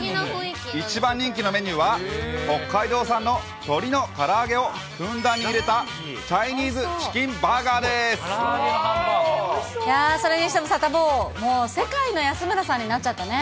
一番人気のメニューは、北海道産の鶏のから揚げをふんだんに入れた、チャイニーズチキンそれにしてもサタボー、もう世界の安村さんになっちゃったね。